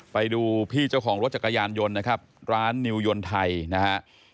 ไปดูพี่เจ้าของรถจักรยานยนต์นะครับร้านนิวยนไทยนะฮะ